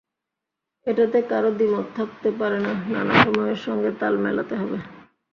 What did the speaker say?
এটাতে কারও দ্বিমত থাকতে পারে যে, নানা সময়ের সঙ্গে তাল মেলাতে হবে।